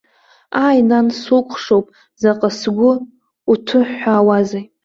Ааи, нан, сукәыхшоуп, заҟа сгәы иҭуҳәаауазеи.